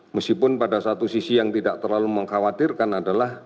meskipun pada satu sisi yang tidak terlalu mengkhawatirkan adalah